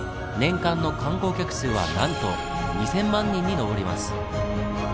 年間の観光客数はなんと２０００万人に上ります。